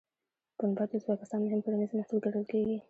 پنبه د ازبکستان مهم کرنیز محصول ګڼل کېږي.